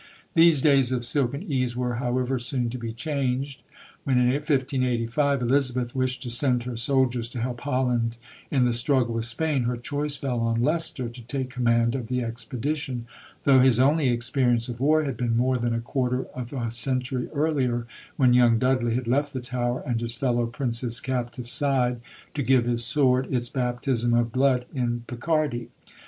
These days of silken ease were, however, soon to be changed. When, in 1585, Elizabeth wished to send her soldiers to help Holland in the struggle with Spain, her choice fell on Leicester to take command of the expedition, though his only experience of war had been more than a quarter of a century earlier, when young Dudley had left the Tower and his fellow Princess captive's side to give his sword its baptism of blood in Picardy.